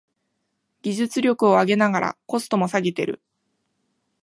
技術力を上げながらコストも下げてる